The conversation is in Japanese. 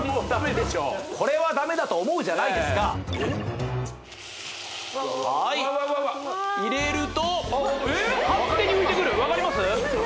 これはダメだと思うじゃないですかはい入れると勝手に浮いてくる分かります？